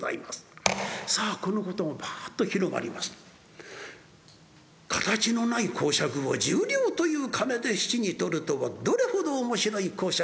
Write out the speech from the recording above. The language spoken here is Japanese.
さあこのことがぱっと広がりますと形のない講釈を１０両という金で質に取るとはどれほど面白い講釈なんだろう。